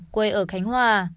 quê ở khánh hòa